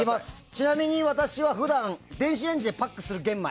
ちなみに私は普段電子レンジのパック玄米